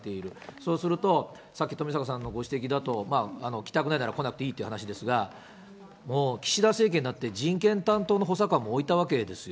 そうすると、さっき、富坂さんのご指摘だと、来たくないなら来なくていいという話ですが、もう岸田政権になって、人権担当の補佐官も置いたわけです。